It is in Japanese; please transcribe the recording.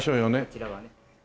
こちらはね。